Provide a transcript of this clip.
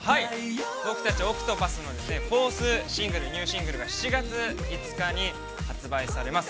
◆僕たちＯＣＴＰＡＴＨの４ｔｈシングルニューシングルが７月５日に発売されます。